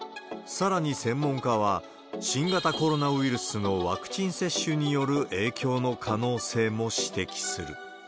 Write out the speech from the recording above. さらに専門家は、新型コロナウイルスのワクチン接種による影響の可能性も指摘する。